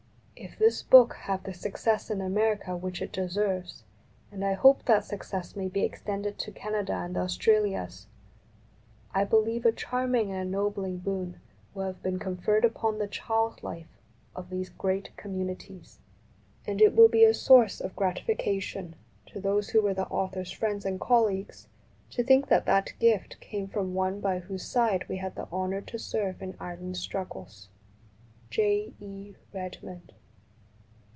If this book have the success in America which it deserves and I hope that success may be ex tended to Canada and the Australias I believe a charming and ennobling boon will have been conferred upon the child life of these great com munities; and it will be a source of gratification to those who were the author's friends and col leagues to think that that gift came from one by whose side we had the honor to serve in Ireland's struggles. J. E. REDMOND.